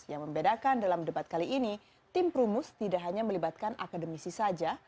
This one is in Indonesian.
yang membedakan dalam debat kali ini tim perumus tidak hanya melibatkan akademisi saja